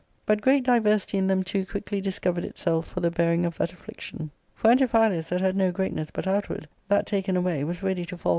" But great diversity in them two quickly discovered itself for the bearing of that affliction ; for Antiphilus, that had no\ greatness but outward, that taken away, was ready to fall